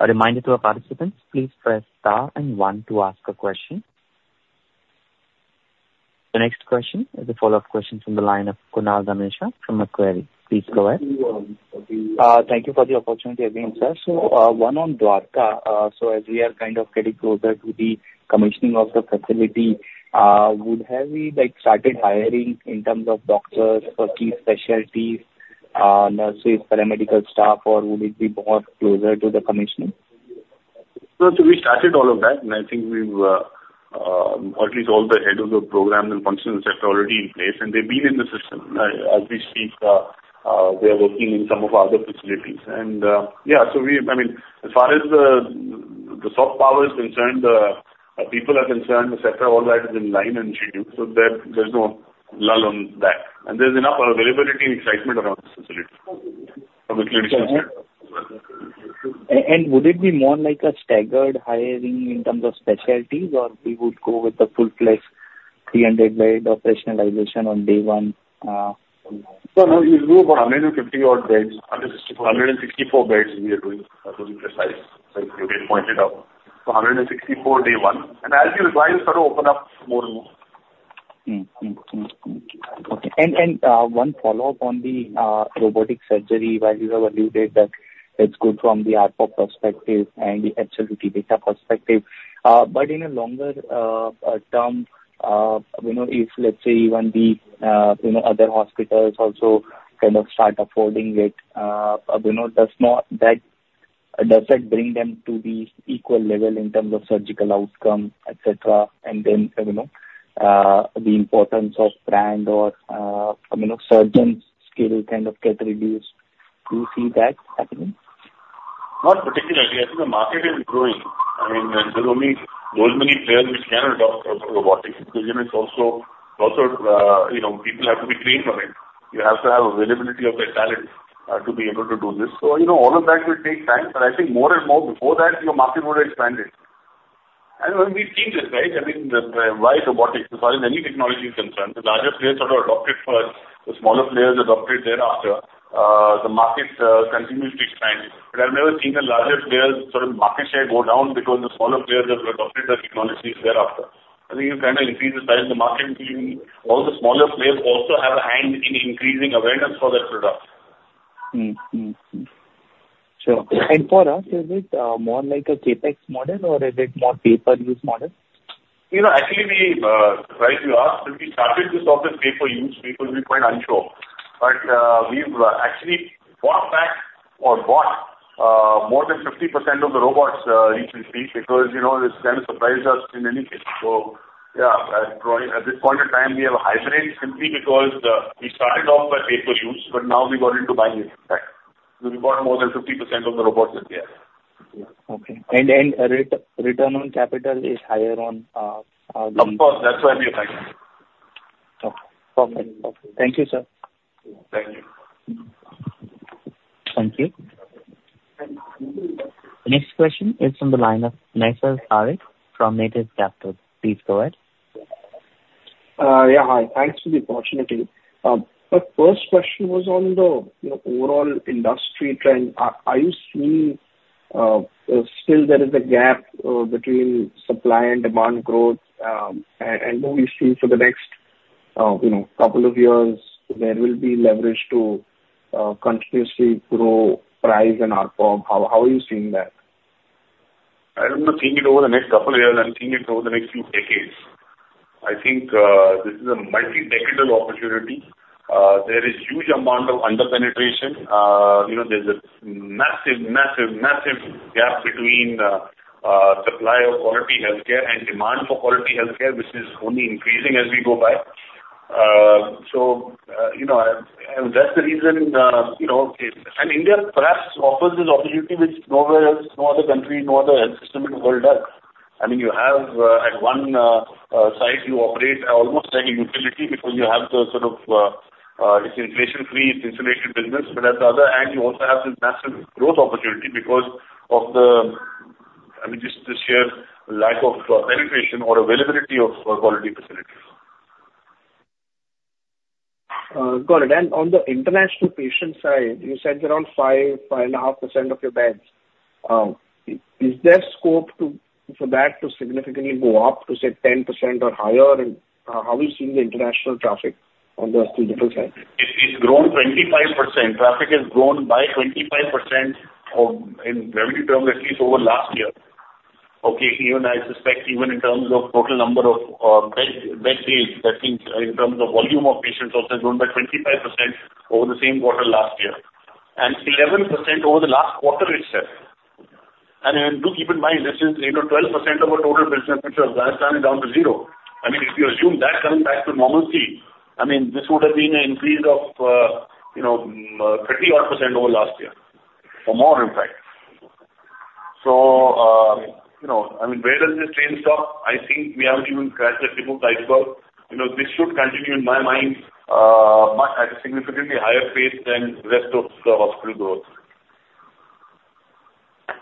A reminder to our participants, please press Star and One to ask a question. The next question is a follow-up question from the line of Kunal Dhamesha from Macquarie. Please go ahead. Thank you for the opportunity again, sir. So, one on Dwarka. So as we are kind of getting closer to the commissioning of the facility, would have we like, started hiring in terms of doctors for key specialties, nurses, paramedical staff, or would it be more closer to the commissioning? So, so we started all of that, and I think we've, at least all the head of the programs and functions are already in place, and they've been in the system. As we speak, they are working in some of our other facilities. And, yeah, so we... I mean, as far as the soft power is concerned, people are concerned, et cetera, all that is in line and schedule, so there, there's no lull on that. And there's enough availability and excitement around the facility from a clinician perspective. And would it be more like a staggered hiring in terms of specialties, or we would go with the full-fledged 300-bed operationalization on day one? So no, we'll do about 150-odd beds. 164. 164 beds we are doing, to be precise, like you pointed out. So 164, day one, and as we revise, sort of open up more and more. Okay. One follow-up on the robotic surgery, where you have alluded that it's good from the ARPOB perspective and the absolute EBITDA perspective. But in a longer term, you know, if let's say even the other hospitals also kind of start affording it, you know, does that bring them to the equal level in terms of surgical outcome, et cetera, and then, you know, the importance of brand or surgeon skill kind of get reduced. Do you see that happening? Not particularly. I think the market is growing. I mean, there are only those many players which can adopt robotics. Because, you know, it's also, you know, people have to be trained on it. You have to have availability of the talent to be able to do this. So, you know, all of that will take time, but I think more and more before that, you know, market would have expanded. And we've seen this, right? I mean, why robotics? As far as any technology is concerned, the largest players sort of adopt it first, the smaller players adopt it thereafter. The market continues to expand. But I've never seen the largest players sort of market share go down because the smaller players have adopted the technologies thereafter. I think you kind of increase the size of the market, all the smaller players also have a hand in increasing awareness for that product. Mm-hmm, mm, sure. And for us, is it more like a CapEx model or is it more pay-per-use model? You know, actually we, right you asked, when we started this off as pay-per-use, we were quite unsure. But, we've actually bought back or bought, more than 50% of the robots, recently, because, you know, it's kind of surprised us in any case. So yeah, at probably, at this point in time, we have a hybrid, simply because, we started off by pay-per-use, but now we got into buying it back. We bought more than 50% of the robots that we have. Okay. And return on capital is higher on the- Of course, that's why we are buying. Okay. Perfect. Okay. Thank you, sir. Thank you. Thank you. The next question is from the line of Naisal Aric from Native Capital. Please go ahead. Yeah, hi. Thanks for the opportunity. The first question was on the, you know, overall industry trend. Are you seeing still there is a gap between supply and demand growth? And what we see for the next, you know, couple of years, there will be leverage to continuously grow price and ARPOB. How are you seeing that? I don't know, seeing it over the next couple of years, I'm seeing it over the next few decades. I think, this is a multi-decadal opportunity. There is huge amount of under-penetration. You know, there's a massive, massive, massive gap between, supply of quality health care and demand for quality health care, which is only increasing as we go by. So, you know, and that's the reason, you know... And India perhaps offers this opportunity which nowhere else, no other country, no other health system in the world does. I mean, you have, at one, site, you operate almost like a utility because you have the sort of, it's inflation-free, it's insulated business. But on the other hand, you also have this massive growth opportunity because of the, I mean, just the sheer lack of penetration or availability of quality facilities. Got it. And on the international patient side, you said around 5%-5.5% of your beds. Is there scope to, for that to significantly go up to, say, 10% or higher? And, how are you seeing the international traffic on the hospital side? It's grown 25%. Traffic has grown by 25% of, in revenue terms, at least over last year. Okay, even I suspect, even in terms of total number of bed days, that means in terms of volume of patients, also grown by 25% over the same quarter last year, and 11% over the last quarter itself. And do keep in mind, this is, you know, 12% of our total business, which Afghanistan is down to zero. I mean, if you assume that coming back to normalcy, I mean, this would have been an increase of, you know, 30-odd% over last year, or more in fact. So, you know, I mean, where does this train stop? I think we haven't even scratched the tip of the iceberg. You know, this should continue, in my mind, much at a significantly higher pace than the rest of the hospital growth.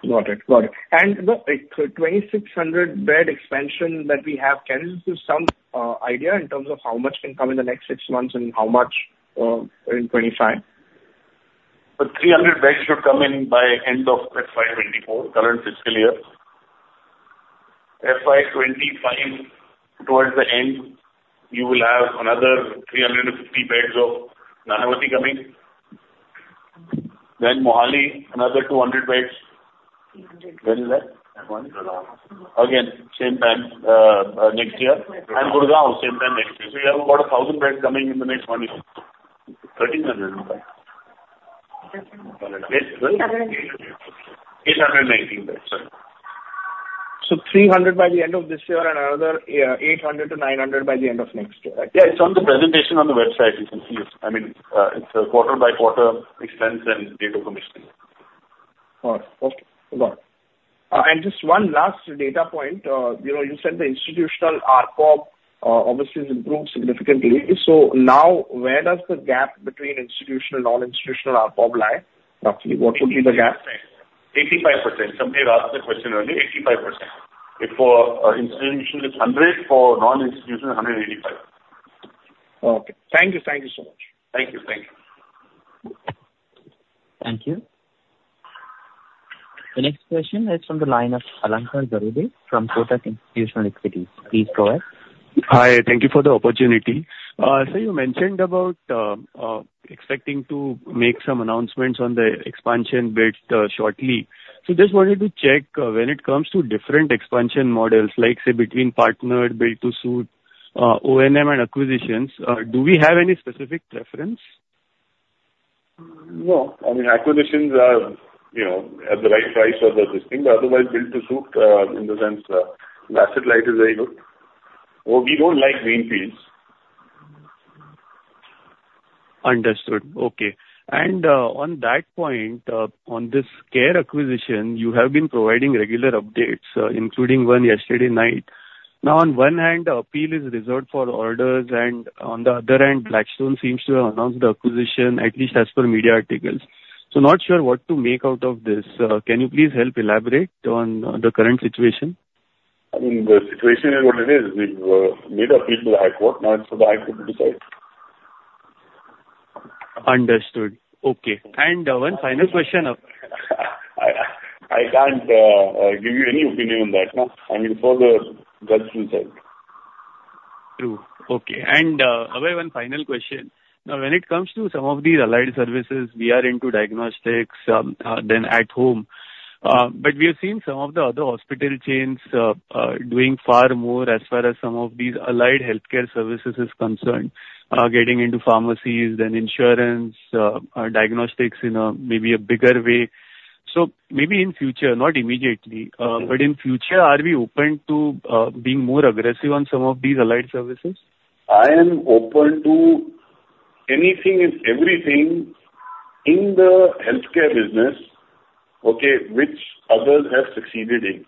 Got it. Got it. And the 2,600 bed expansion that we have, can you give some idea in terms of how much can come in the next six months and how much in 2025? The 300 beds should come in by end of FY 2024, current fiscal year. FY 2025, towards the end, you will have another 350 beds of Nanavati coming. Then Mohali, another 200 beds. When is that? Again, same time next year. Gurgaon, same time next year. You have about 1,000 beds coming in the next 1 year. 1,300. 819 beds, sorry. So 300 by the end of this year and another 800-900 by the end of next year, right? Yeah, it's on the presentation on the website, you can see it. I mean, it's a quarter-by-quarter expense and EBITDA comparison. Got it. Okay. Got it. Just one last data point. You know, you said the institutional ARPOB obviously has improved significantly. So now, where does the gap between institutional and non-institutional ARPOB lie? Roughly, what would be the gap? 85%. Somebody asked the question earlier, 85%. If for institutional, it's 100, for non-institutional, 100 and 185. Okay. Thank you. Thank you so much. Thank you. Thank you. Thank you. The next question is from the line of Alankar Garude from Kotak Institutional Equities. Please go ahead. Hi, thank you for the opportunity. So you mentioned about expecting to make some announcements on the expansion bids shortly. So just wanted to check when it comes to different expansion models, like, say, between partnered, build to suit-... M&A and acquisitions, do we have any specific preference? No. I mean, acquisitions are, you know, at the right price or the existing, but otherwise built to suit, in the sense, asset light is very good, or we don't like greenfields. Understood. Okay. On that point, on this Care acquisition, you have been providing regular updates, including one yesterday night. Now, on one hand, the appeal is reserved for orders, and on the other hand, Blackstone seems to have announced the acquisition, at least as per media articles. Not sure what to make out of this. Can you please help elaborate on the current situation? I mean, the situation is what it is. We've made an appeal to the High Court; now it's for the High Court to decide. Understood. Okay. And, one final question of- I can't give you any opinion on that, no? I mean, it's all the judge's decide. True. Okay. And, Abhay, one final question: now, when it comes to some of these allied services, we are into diagnostics, then at home, but we have seen some of the other hospital chains, doing far more as far as some of these allied healthcare services is concerned, getting into pharmacies, then insurance, diagnostics in a maybe bigger way. So maybe in future, not immediately, but in future, are we open to, being more aggressive on some of these allied services? I am open to anything and everything in the healthcare business, okay, which others have succeeded in.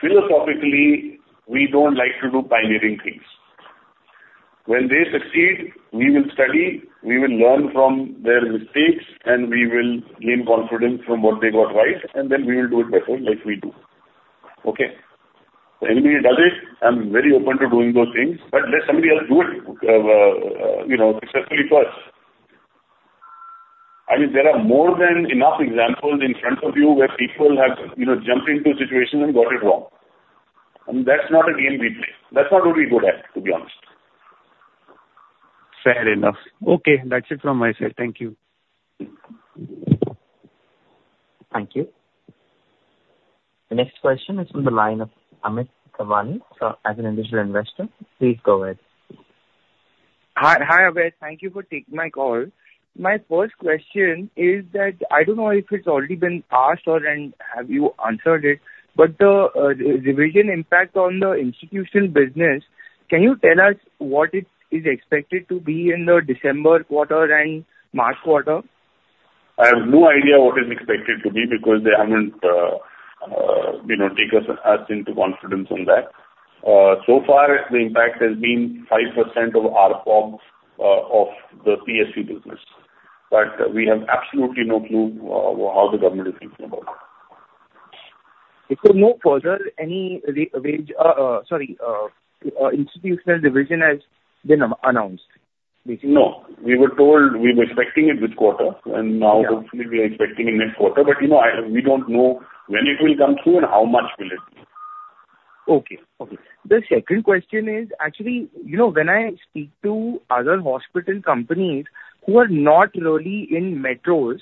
Philosophically, we don't like to do pioneering things. When they succeed, we will study, we will learn from their mistakes, and we will gain confidence from what they got right, and then we will do it better like we do. Okay? So anybody does it, I'm very open to doing those things, but let somebody else do it, you know, successfully first. I mean, there are more than enough examples in front of you where people have, you know, jumped into a situation and got it wrong, and that's not a game we play. That's not what we're good at, to be honest. Fair enough. Okay. That's it from my side. Thank you. Thank you. The next question is from the line of Amit Kavani, as an individual investor. Please go ahead. Hi. Hi, Abhay. Thank you for taking my call. My first question is that I don't know if it's already been asked or, and have you answered it, but the revision impact on the institutional business, can you tell us what it is expected to be in the December quarter and March quarter? I have no idea what is expected to be because they haven't, you know, take us into confidence on that. So far, the impact has been 5% of ARPM of the PSU business, but we have absolutely no clue how the government is thinking about it. So, no further any institutional revision has been announced? No. We were told we were expecting it this quarter, and now- Yeah. Hopefully we are expecting in next quarter, but, you know, I, we don't know when it will come through and how much will it be. Okay. Okay. The second question is actually, you know, when I speak to other hospital companies who are not really in metros,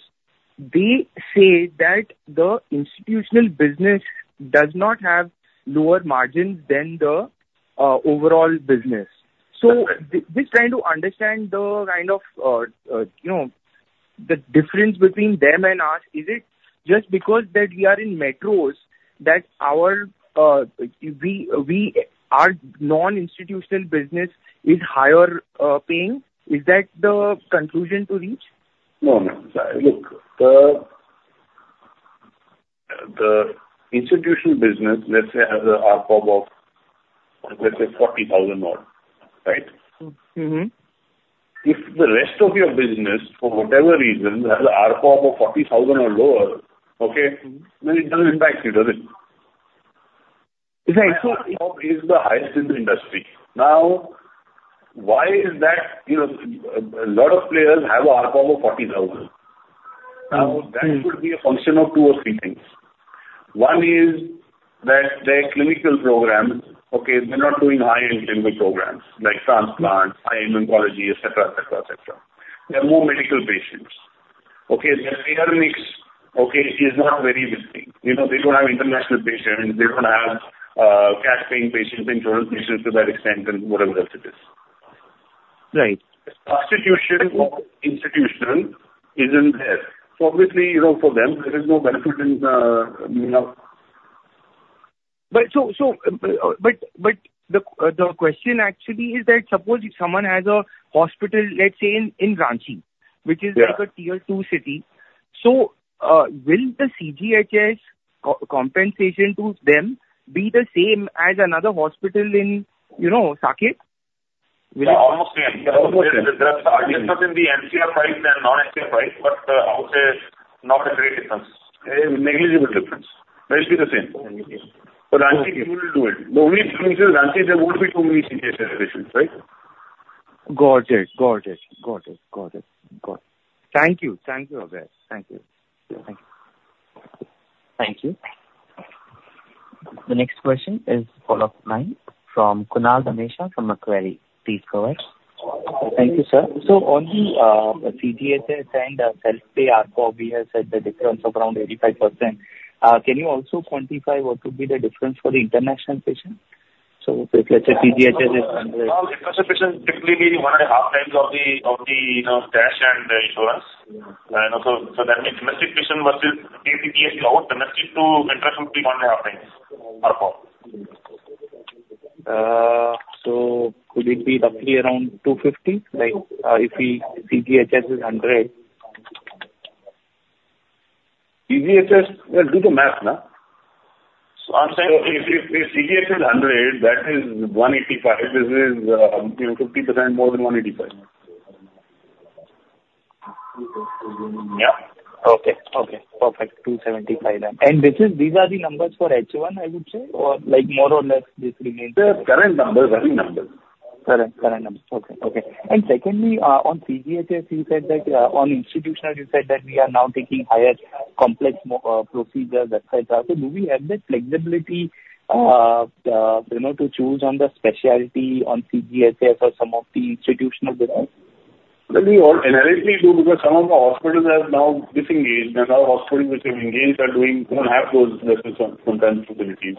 they say that the institutional business does not have lower margins than the overall business. So just trying to understand the kind of, you know, the difference between them and us, is it just because that we are in metros, that our non-institutional business is higher paying? Is that the conclusion to reach? No, no. Look, the, the institutional business, let's say, has a ARPM of, let's say, 40,000 odd, right? Mm-hmm. If the rest of your business, for whatever reason, has a ARPM of 40,000 or lower, okay. Mm-hmm. then it doesn't impact you, does it? Right. So- ARPM is the highest in the industry. Now, why is that? You know, a lot of players have a ARPM of 40,000. Mm. Now, that could be a function of two or three things. One is that their clinical program, okay, they're not doing high-end clinical programs like transplant, high immunology, et cetera, et cetera, et cetera. They're more medical patients. Okay? Their payer mix, okay, is not very busy. You know, they don't have international patients, they don't have, cash-paying patients, insurance patients to that extent, and whatever else it is. Right. Institution or institutional isn't there. So obviously, you know, for them, there is no benefit in, you know... But the question actually is that suppose if someone has a hospital, let's say, in Ranchi- Yeah Which is like a tier two city, so, will the CGHS co-compensation to them be the same as another hospital in, you know, Saket? Almost same. Almost same. There are difference in the NCR and non-NCR, but I would say not a great difference. A negligible difference. That is be the same. Okay. So Ranchi, you will do it. The only thing is Ranchi, there won't be too many CGHS additions, right? Got it. Got it. Got it. Got it. Got it. Thank you. Thank you, Abhay. Thank you. Thank you. Thank you. The next question is follow-up line from Kunal Dhamesha from Macquarie. Please go ahead. Thank you, sir. So on the CGHS and self-pay ARPM, we have said the difference of around 85%.... Can you also quantify what would be the difference for the international patient? So let's say CGHS is 100. International patient, typically be 1.5 times of the, of the, you know, cash and insurance. And also, so that means domestic patient versus CGHS load. Domestic to international will be 1.5 times or more. So could it be roughly around 250? Like, if the CGHS is 100. CGHS, well, do the math now. I'm saying- If CGHS is 100, that is 185. This is, you know, 50% more than 185. Yeah. Okay. Okay, perfect. 275 then. This is, these are the numbers for H1, I would say, or like more or less, this remains the same? The current numbers, annual numbers. Current, current numbers. Okay, okay. And secondly, on CGHS, you said that, on institutional, you said that we are now taking higher complex procedures, et cetera. So do we have that flexibility, you know, to choose on the specialty on CGHS or some of the institutional, you know? Well, we all inherently do, because some of the hospitals have now disengaged, and our hospitals which are engaged are doing, don't have those sometimes facilities.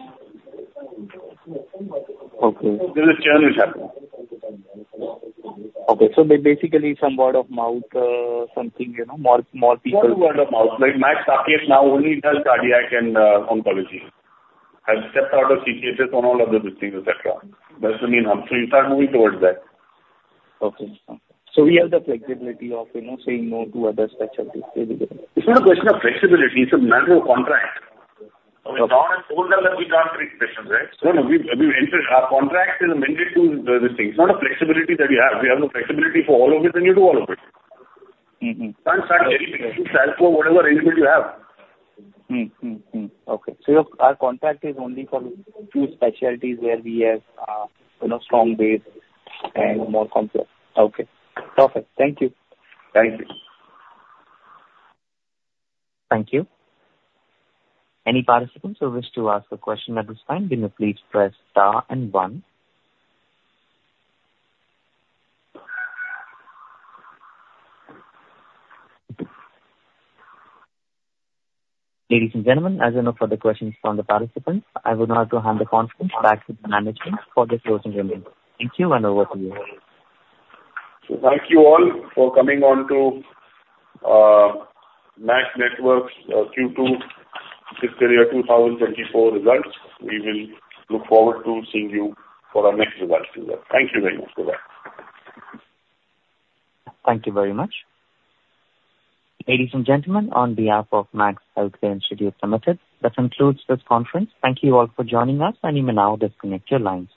Okay. There's a change happening. Okay. So basically, some word of mouth, something, you know, more, more people- More word of mouth. Like, Max Super Speciality now only does cardiac and oncology, has stepped out of CGHS on all other diseases, et cetera. That's the aim, so you start moving towards that. Okay. So we have the flexibility of, you know, saying no to other specialties. It's not a question of flexibility. It's a matter of contract. It's not a folder that we can't treat patients, right? No, no. We, we entered our contract is amended to this thing. It's not a flexibility that we have. We have the flexibility for all of it, then you do all of it. Mm-hmm. Can't start very big. Start for whatever arrangement you have. Mm-hmm, mm-hmm. Okay. So our contract is only for few specialties where we have, you know, strong base and more complex. Okay, perfect. Thank you. Thank you. Thank you. Any participants who wish to ask a question at this time, then you please press Star and One. Ladies and gentlemen, as of now further questions from the participants, I would now like to hand the conference back to the management for the closing remarks. Thank you, and over to you. Thank you all for coming on to Max Healthcare's Q2 fiscal year 2024 results. We will look forward to seeing you for our next event. Thank you very much for that. Thank you very much. Ladies and gentlemen, on behalf of Max Healthcare Institute Limited, that concludes this conference. Thank you all for joining us, and you may now disconnect your lines.